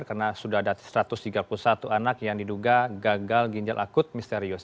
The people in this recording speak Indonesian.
karena sudah ada satu ratus tiga puluh satu anak yang diduga gagal ginjal akut misterius